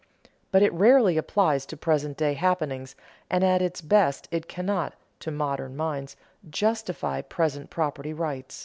But it rarely applies to present day happenings and at its best it cannot, to modern minds, "justify" present property rights.